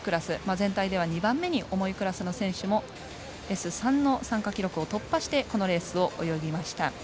全体では２番目の重いクラスの選手もＳ３の参加記録を突破してこのレースを泳ぎました。